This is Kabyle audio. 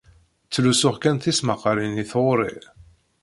Ttlusuɣ kan tismaqqalin i tɣuri.